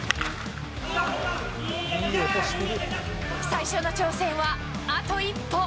最初の挑戦はあと一歩。